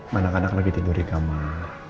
anak anak lagi tidur di kamar